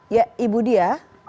ya ibu dia